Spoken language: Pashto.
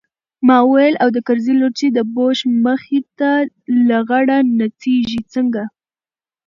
ما وويل او د کرزي لور چې د بوش مخې ته لغړه نڅېږي څنګه.